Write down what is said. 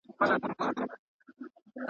شرنګولي مي د میو ګیلاسونه .